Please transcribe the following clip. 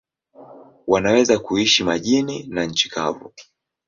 Wanaweza kuishi majini na nchi kavu.